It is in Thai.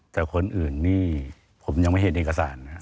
แต่คนอื่นนี่ผมยังไม่เห็นเอกสารนะครับ